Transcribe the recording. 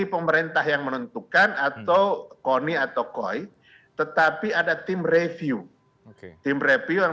pemerintah yang menentukan atau koni atau koi tetapi ada tim review tim review yang